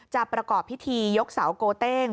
ประกอบพิธียกเสาโกเต้ง